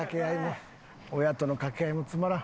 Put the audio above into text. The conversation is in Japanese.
親との掛け合いもつまらん。